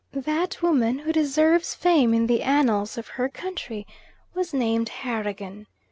That woman, who deserves fame in the annals of her country, was named Harragan.